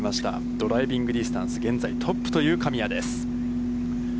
ドライビングディスタンス、現在トップという神谷です。